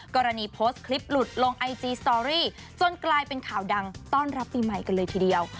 กรณีโพสต์คลิปหลุดลงไอจีสตอรี่จนกลายเป็นข่าวดังต้อนรับปีใหม่กันเลยทีเดียว